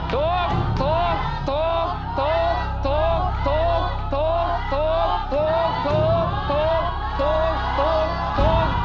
ถูก